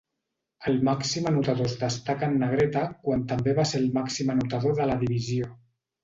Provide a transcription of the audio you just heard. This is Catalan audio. El màxim anotador es destaca en negreta quan també va ser el màxim anotador de la divisió.